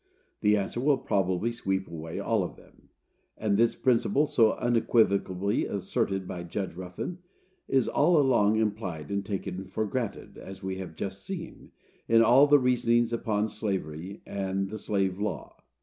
The answer will probably sweep away all of them;" and this principle, so unequivocally asserted by Judge Ruffin, is all along implied and taken for granted, as we have just seen, in all the reasonings upon slavery and the slave law.